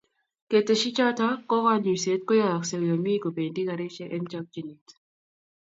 keteshi choto ko kanyuiset koyayagse yomi kodendi karishek eng chokchinet